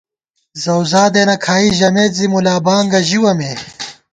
زؤزادېنہ کھائی ژَمېت زی مُلابانگہ ژِوَہ مے